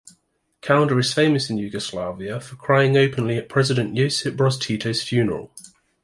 Kaunda is famous in Yugoslavia for crying openly at president Josip Broz Tito's funeral.